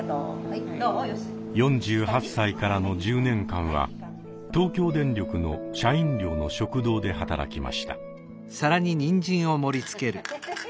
４８歳からの１０年間は東京電力の社員寮の食堂で働きました。